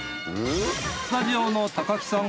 スタジオの木さん！